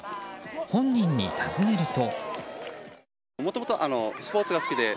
本人に尋ねると。